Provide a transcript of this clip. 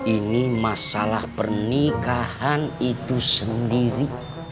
ini masalah pernikahan itu sendiri